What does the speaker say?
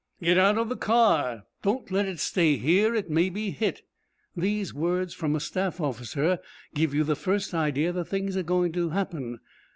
'Get out of the car. Don't let it stay here. It may be hit.' These words from a staff officer give you the first idea that things are going to happen.